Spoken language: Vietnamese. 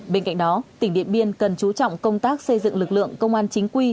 bên cạnh đó tỉnh điện biên cần chú trọng công tác xây dựng lực lượng công an chính quy